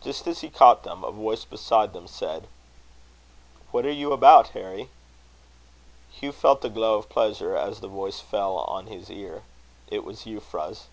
Just as he caught them, a voice beside them said: "What are you about, Harry?" Hugh felt a glow of pleasure as the voice fell on his ear. It was Euphra's.